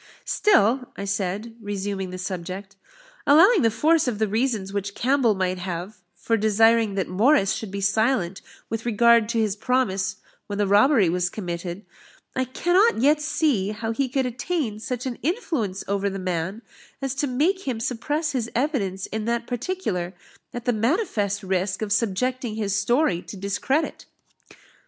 "Still," said I, resuming the subject, "allowing the force of the reasons which Campbell might have for desiring that Morris should be silent with regard to his promise when the robbery was committed, I cannot yet see how he could attain such an influence over the man, as to make him suppress his evidence in that particular, at the manifest risk of subjecting his story to discredit."